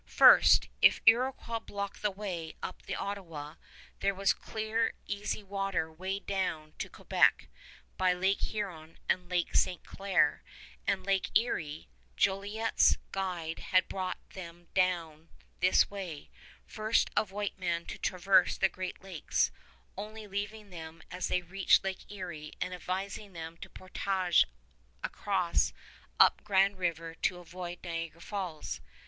First, if Iroquois blocked the way up the Ottawa, there was clear, easy water way down to Quebec by Lake Huron and Lake Ste. Claire and Lake Erie. Jolliet's guide had brought them down this way, first of white men to traverse the Great Lakes, only leaving them as they reached Lake Erie and advising them to portage across up Grand River to avoid Niagara Falls.